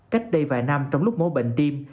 cách đây vài năm trong lúc mô bệnh tim